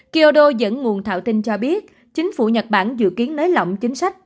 kyodo dẫn nguồn thạo tin cho biết chính phủ nhật bản dự kiến nới lỏng chính sách